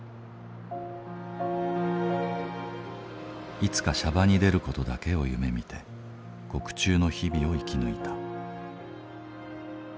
いつか娑婆に出る事だけを夢みて獄中の日々を生き抜いた。